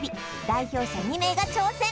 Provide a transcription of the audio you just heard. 代表者２名が挑戦